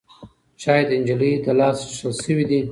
چای د نجلۍ له لاسه څښل شوی دی.